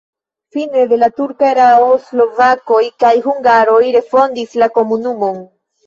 Fine de la turka erao slovakoj kaj hungaroj refondis la komunumon.